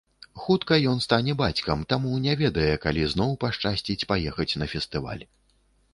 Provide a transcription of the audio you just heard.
Хутка ён стане бацькам, таму не ведае, калі зноў пашчасціць паехаць на фестываль.